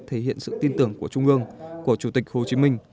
thể hiện sự tin tưởng của trung ương của chủ tịch hồ chí minh